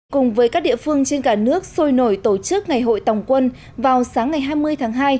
cùng với các địa phương trên cả nước sôi nổi tổ chức ngày hội tổng quân vào sáng ngày hai mươi tháng hai